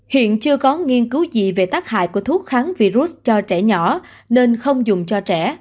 hiện chưa có nghiên cứu gì về tác hại của thuốc kháng virus cho trẻ nhỏ nên không dùng cho trẻ